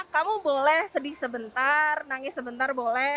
kamu boleh sedih sebentar nangis sebentar boleh